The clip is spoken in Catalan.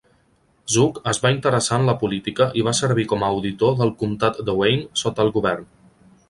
Zug es va interessar en la política i va servir com a auditor del Comtat de Wayne sota el govern.